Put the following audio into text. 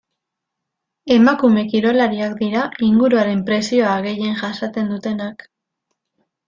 Emakume kirolariak dira inguruaren presioa gehien jasaten dutenak.